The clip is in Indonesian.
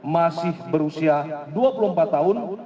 masih berusia dua puluh empat tahun